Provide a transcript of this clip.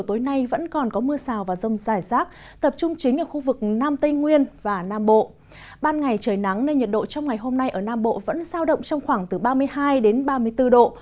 trong ngày trời nắng nên nhiệt độ trong ngày hôm nay ở nam bộ vẫn giao động trong khoảng từ ba mươi hai đến ba mươi bốn độ